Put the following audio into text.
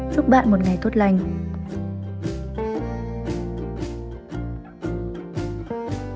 chúc bạn một ngày tốt lành